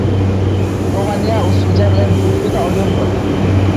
Romania ও Switzerland যোগ্যতা অর্জন করে।